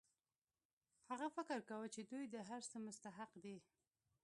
هغه فکر کاوه چې دوی د هر څه مستحق دي